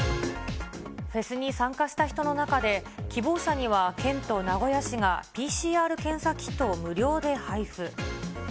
フェスに参加した人の中で、希望者には県と名古屋市がＰＣＲ検査キットを無料で配布。